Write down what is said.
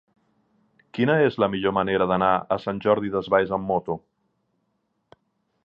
Quina és la millor manera d'anar a Sant Jordi Desvalls amb moto?